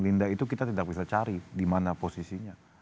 linda itu kita tidak bisa cari di mana posisinya